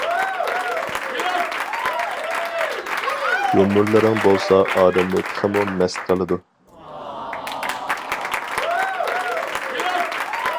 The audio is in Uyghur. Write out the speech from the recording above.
يۇمۇرلىرىڭ بولسا ئادەمنى تېخىمۇ مەست قىلىدۇ.